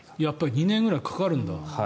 ２年くらいかかるんだ。